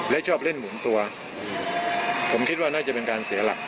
และชอบเล่นหมุนตัวผมคิดว่าน่าจะเป็นการเสียหลัก